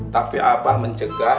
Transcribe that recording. tapi abah mencegah